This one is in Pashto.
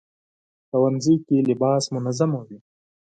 ښوونځی کې لباس منظم وي